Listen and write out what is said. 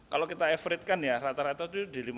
kalau kita average kan ya rata rata itu di lima ratus